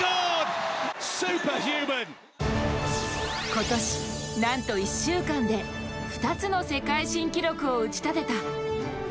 今年、なんと１週間で２つの世界新記録を打ち立てた。